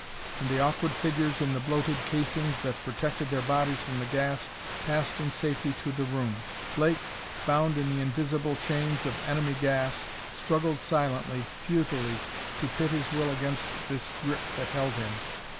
And the awkward figures in the bloated casings that protected their bodies from the gas passed in safety to the room. Blake, bound in the invisible chains of enemy gas, struggled silently, futilely, to pit his will against this grip that held him.